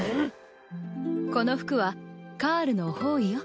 この服はカールの法衣よ。